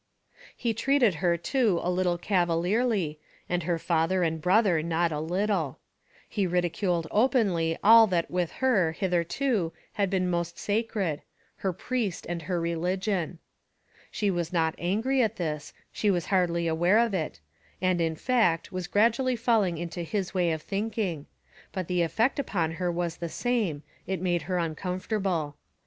He treated her too a little cavalierly, and her father and brother not a little. He ridiculed openly all that with her, hitherto, had been most sacred her priest and her religion. She was not angry at this; she was hardly aware of it; and, in fact, was gradually falling into his way of thinking; but the effect upon her was the same it made her uncomfortable.